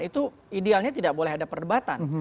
itu idealnya tidak boleh ada perdebatan